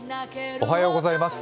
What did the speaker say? おはようございます。